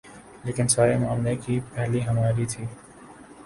لیکن سارے معاملے کی پہل ہماری تھی۔